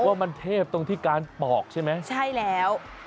ว่ามันเทพตรงที่การปอกใช่ไหมใช่แล้ว